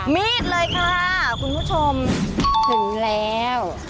มีดเลยค่ะคุณผู้ชมถึงแล้ว